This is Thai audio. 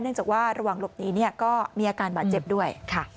เนื่องจากว่าระหว่างหลบนี้ก็มีอาการหมาเจ็บด้วย